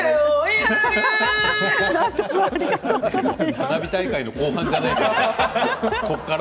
花火大会の後半じゃないんですから。